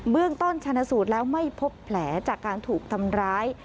เรื่องต้นชนะสูตรแล้วไม่พบแผลจากการถูกทำร้าย